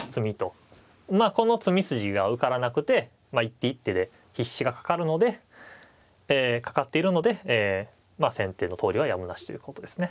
まあこの詰み筋が受からなくて一手一手で必至がかかるのでえかかっているのでまあ先手の投了はやむなしということですね。